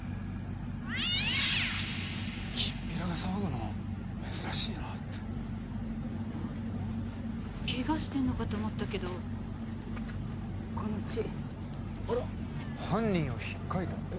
きんぴらが騒ぐのは珍しいなってあっケガしてんのかと思ったけどこの血あら犯人をひっかいた？